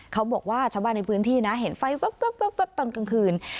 เขาบอกว่าช้าบ้านในพื้นที่นะเห็นไฟวับตอนกลางคืน